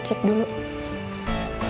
ada obat penghilang nyaring gak